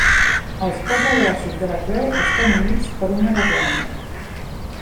Els quatre braços de la creu estan units per una garlanda.